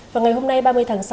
và ngày hôm nay ba mươi tháng sáu